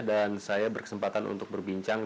saya berkesempatan untuk berbincang